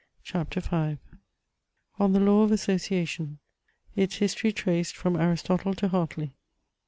CHAPTER V On the law of Association Its history traced from Aristotle to Hartley.